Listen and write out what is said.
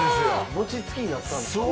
餅つきになったんですか？